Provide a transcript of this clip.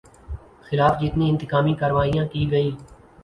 خلاف جتنی انتقامی کارروائیاں کی گئیں